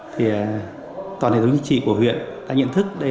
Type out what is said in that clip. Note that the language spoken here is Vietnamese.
thì toàn hệ thống chính trị của huyện đã nhận thức